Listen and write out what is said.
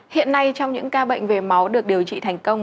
hiện nay trong những ca bệnh về máu được điều trị thành công